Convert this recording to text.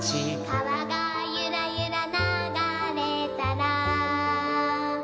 「かわがゆらゆらながれたら」